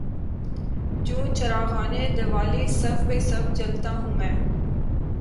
جوں چراغانِ دوالی صف بہ صف جلتا ہوں میں